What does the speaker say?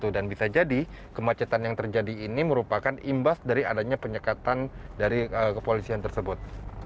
dan bisa jadi kemacetan yang terjadi ini merupakan imbas dari adanya penyekatan dari kepolisian tersebut